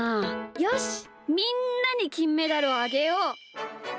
よしみんなにきんメダルをあげよう！